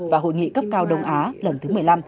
và hội nghị cấp cao đông á lần thứ một mươi năm